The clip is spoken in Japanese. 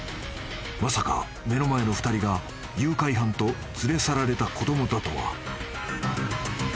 ［まさか目の前の２人が誘拐犯と連れ去られた子供だとは］